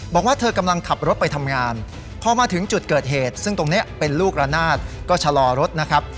บอกว่าเธอกำลังขับรถไปทำงานพอมาถึงจุดเกิดเหตุซึ่งตรงนี้เป็นลูกระนาดก็ชะลอรถนะครับ